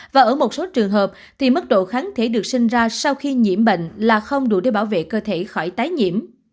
và ở một số trường hợp thì mức độ kháng thể được sinh ra sau khi nhiễm bệnh là không đủ để bảo vệ cơ thể khỏi tái nhiễm